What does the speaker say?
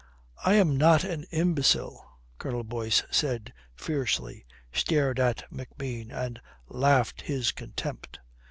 "I am not an imbecile," Colonel Boyce said fiercely, stared at McBean and laughed his contempt.